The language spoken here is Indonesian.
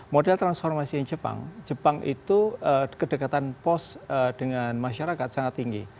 model transformasi jepang jepang itu kedekatan pos dengan masyarakat sangat tinggi